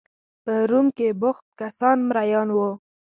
په روم کې بوخت کسان مریان وو.